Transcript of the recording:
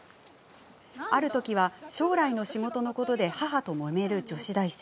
あるときは、将来の仕事のことで母ともめる女子大生。